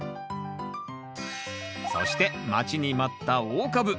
そして待ちに待った大株。